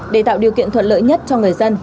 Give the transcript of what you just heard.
để tạo điều kiện thuận lợi nhất cho người dân